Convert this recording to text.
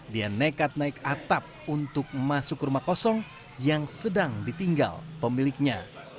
dia nekat naik atap untuk masuk ke rumah kosong yang sedang ditinggal pemiliknya